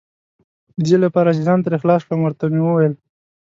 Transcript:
د دې لپاره چې ځان ترې خلاص کړم، ور ته مې وویل.